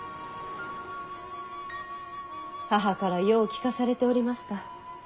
母からよう聞かされておりました。